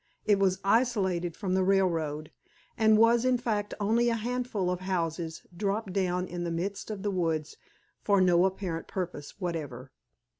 It was isolated from the railroad, and was in fact only a handful of houses dropped down in the midst of the woods for no apparent purpose whatever.